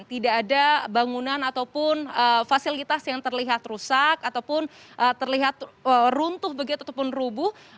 tidak ada bangunan ataupun fasilitas yang terlihat rusak ataupun terlihat runtuh begitu ataupun rubuh